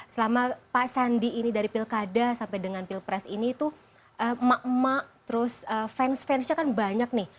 selama pak sandi ini dari pilkada sampai dengan pilpres ini tuh emak emak terus fans fansnya kan banyak nih